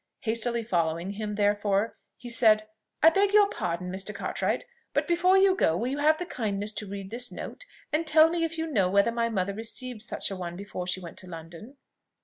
Hastily following him, therefore, he said, "I beg your pardon, Mr. Cartwright; hut, before you go, will you have the kindness to read this note, and tell me if you know whether my mother received such a one before she went to London?"